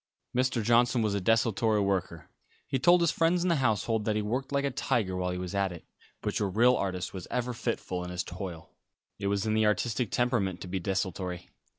Mr. Johnson was a desultory worker. He told his friends in the household that he worked like a tiger while he was at it, but your real artist was ever fitful in his toil. It was in the artistic temperament to be desultory.